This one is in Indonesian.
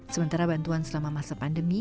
sementara bantuan selama masa pandemi